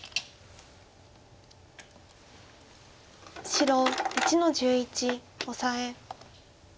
白１の十一オサエ。